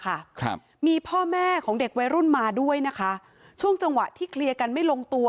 ครับมีพ่อแม่ของเด็กวัยรุ่นมาด้วยนะคะช่วงจังหวะที่เคลียร์กันไม่ลงตัว